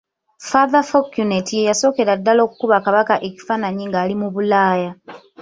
Father Fouquenet ye yasookera ddala okukuba Kabaka ekifaananyi ng'ali mu Bulaaya.